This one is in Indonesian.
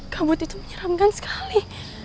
kabut itu menyeramkan sekali